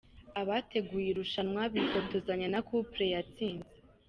Abateguye irushanwa bifotozanya na couple yatsinze